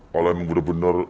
kalau memang sudah benar